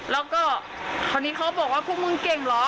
แล้วก็คราวนี้เขาบอกว่าพวกมึงเก่งเหรอ